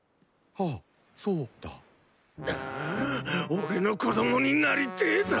俺の子供になりてえだ？